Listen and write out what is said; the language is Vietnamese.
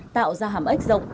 tạo ra hàm ếch rộng